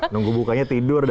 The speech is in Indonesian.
nunggu bukanya tidur